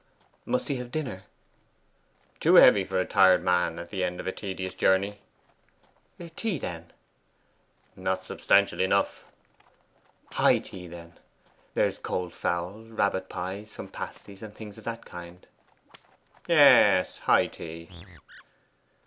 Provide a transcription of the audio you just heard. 'Must he have dinner?' 'Too heavy for a tired man at the end of a tedious journey.' 'Tea, then?' 'Not substantial enough.' 'High tea, then? There is cold fowl, rabbit pie, some pasties, and things of that kind.' 'Yes, high tea.